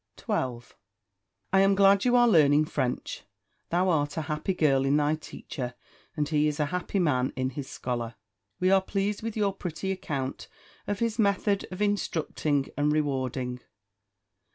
12. I am glad you are learning French: thou art a happy girl in thy teacher, and he is a happy man in his scholar. We are pleased with your pretty account of his method of instructing and rewarding.